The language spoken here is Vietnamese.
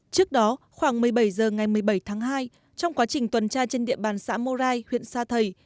trước đó khoảng một mươi bảy h ngày một mươi bảy tháng hai trong quá trình tuần tra trên địa bàn xã morai huyện sa thầy